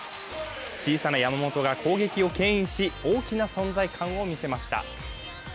小さな山本が攻撃を牽引し大きな存在感を見せました。